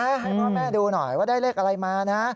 ให้พ่อแม่ดูหน่อยว่าได้เลขอะไรมานะ